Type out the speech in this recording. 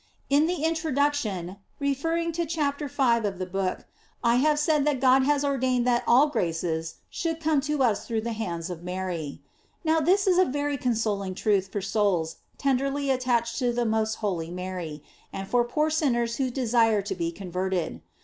In the introduction, page 19, referring to chap. 5th of the book, I have said that God has or dained that all graces should come to us through the hands of Mary. Now this is a very consoling truth for souls tenderly attached to the most holy Mary, and for poor sinners who desire to be converted.